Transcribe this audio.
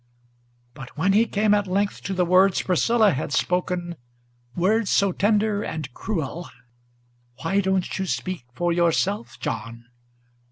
But when he came at length to the words Priscilla had spoken, Words so tender and cruel: "Why don't you speak for yourself, John?"